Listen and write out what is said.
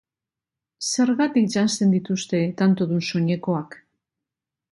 Zergatik janzten dituzte tantodun soinekoak?